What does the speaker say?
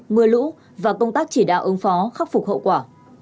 mưa lũ và công tác chỉ đạo ứng phó khắc phục hậu quả